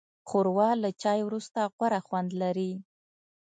ښوروا له چای وروسته غوره خوند لري.